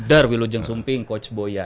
darwilujeng sumping coach boyan